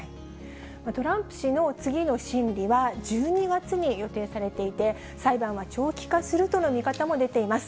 トランプ氏の次の審理は１２月に予定されていて、裁判は長期化するとの見方も出ています。